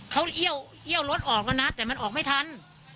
เขาเอี้ยวรถออกแล้วนะแต่มันออกไม่ทัน